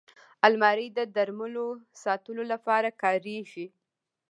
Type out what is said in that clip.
الماري د درملو ساتلو لپاره کارېږي